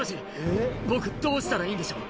ぼ僕どうしたらいいんでしょう？」